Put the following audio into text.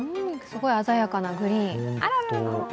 すごい鮮やかなグリーン。